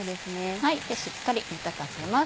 しっかり煮立たせます。